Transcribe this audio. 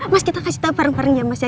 mas kita kasih tau bareng bareng ya mas ya